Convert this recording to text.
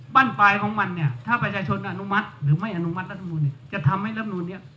บ้านปลายของมันเนี่ยถ้าประชาชนอนุมัติหรือไม่อนุมัติรัฐมนูลเนี่ยจะทำให้รับนูนเนี่ย